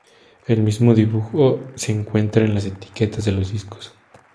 El mismo dibujo se encuentra en las etiquetas de los discos.